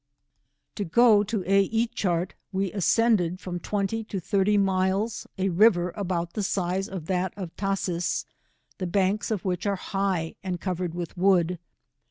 To go to A y cl^rt, we ascended from twenty to thirty miles, a river about the size of that of Tashees, the banks of which are high and covered with wood.